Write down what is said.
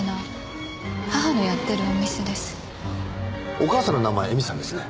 お母さんの名前絵美さんですね？